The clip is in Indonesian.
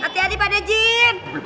hati hati pak deh jin